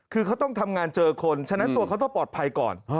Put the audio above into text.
คือเขาต้องทำงานเจอคนฉะนั้นตัวเขาต้องปลอดภัยก่อน